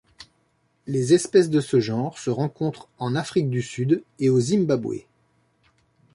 Les espèces de ce genre se rencontrent en Afrique du Sud et au Zimbabwe.